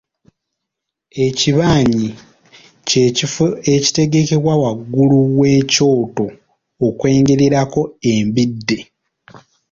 Ekibanyi ky’ekifo ekitegekebwa waggulu w’ekyoto okwengererako embidde.